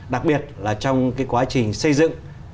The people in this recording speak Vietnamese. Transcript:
đặc biệt là trong quá trình xây dựng